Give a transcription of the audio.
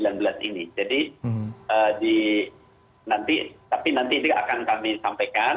jadi nanti akan kami sampaikan saya menuntutkan masyarakat lainnya di dalam bagian urusan ini